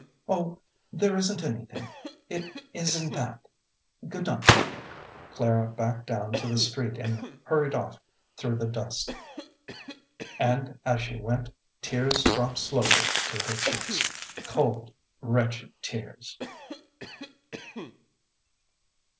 "Oh, there isn't anything it isn't that good night." Clara backed down to the street and hurried off through the dusk. And as she went tears dropped slowly to her cheeks cold, wretched tears.